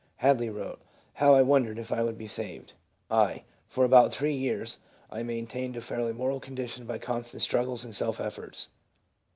Hadley wrote, " How I wondered if I would be saved!" I.: " For about three years I maintained a fairly moral condition by constant struggles and self efforts.